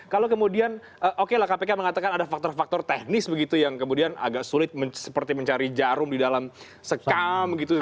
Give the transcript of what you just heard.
kalau kemudian oke lah kpk mengatakan ada faktor faktor teknis begitu yang kemudian agak sulit seperti mencari jarum di dalam sekam gitu